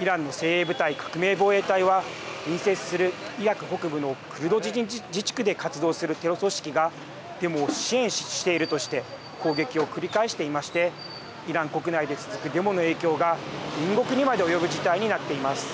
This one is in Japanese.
イランの精鋭部隊、革命防衛隊は隣接するイラク北部のクルド人自治区で活動するテロ組織がデモを支援しているとして攻撃を繰り返していましてイラン国内で続くデモの影響が隣国にまで及ぶ事態になっています。